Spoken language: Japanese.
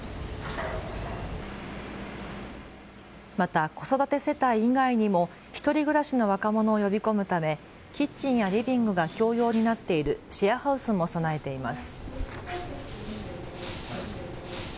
また子育て世帯以外にも１人暮らしの若者を呼び込むためキッチンやリビングが共用になっているシェアハウスも備えています。